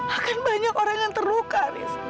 akan banyak orang yang terluka haris